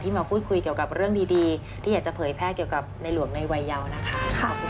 มาพูดคุยเกี่ยวกับเรื่องดีที่อยากจะเผยแพร่เกี่ยวกับในหลวงในวัยยาวนะคะ